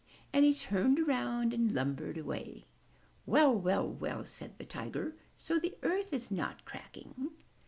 '' And he turned around and lumbered away. "Well! Well! Well!" said the Tiger. "So the earth is not cracking!"